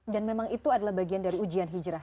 dan memang itu adalah bagian dari ujian hijrah